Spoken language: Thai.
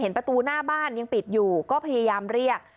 ประตูหน้าบ้านยังปิดอยู่ก็พยายามเรียก